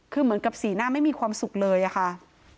คือเหมือนกับสีหน้าไม่มีความสุขเลยอะค่ะ